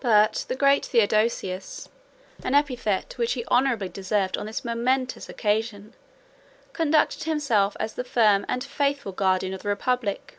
But the great Theodosius, an epithet which he honorably deserved on this momentous occasion, conducted himself as the firm and faithful guardian of the republic.